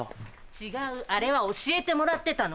違うあれは教えてもらってたの。